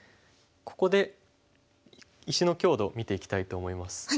ここで石の強度を見ていきたいと思います。